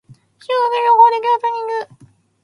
修学旅行で京都に行く。